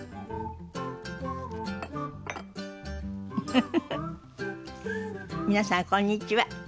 フフフフ皆さんこんにちは。